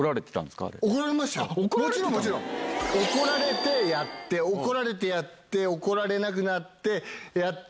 怒られてやって怒られてやって怒られなくなってやって。